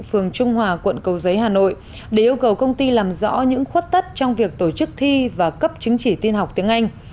phường trung hòa quận cầu giấy hà nội để yêu cầu công ty làm rõ những khuất tất trong việc tổ chức thi và cấp chứng chỉ tin học tiếng anh